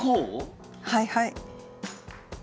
はいはい。